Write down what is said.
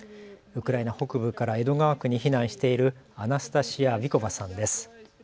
ウクライナ北部から江戸川区に避難しているアナスタシア・ヴィコヴァさんです。